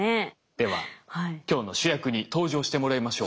では今日の主役に登場してもらいましょう。